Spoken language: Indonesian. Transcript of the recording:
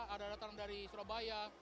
ada datang dari surabaya